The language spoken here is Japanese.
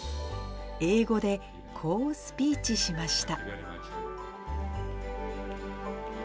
英語で、こうスピーチしました。